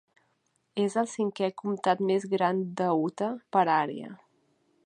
És el cinquè comtat més gran de Utah per àrea.